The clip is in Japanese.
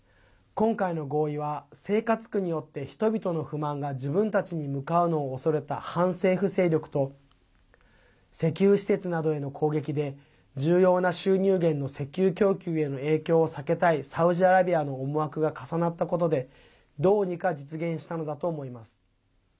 今回の合意は生活苦によって人々の不満が自分たちに向かうのを恐れた反政府勢力と石油施設などへの攻撃で重要な収入源の石油供給への影響を避けたいサウジアラビアの思惑が重なったことでどうにか実現したのだと思います。